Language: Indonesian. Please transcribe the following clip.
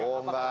oh enggak kpu